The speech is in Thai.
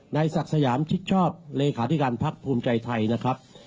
ศักดิ์สยามชิดชอบเลขาธิการพักภูมิใจไทยนะครับ